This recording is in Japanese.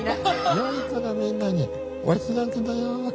よい子のみんなにお知らせだよ。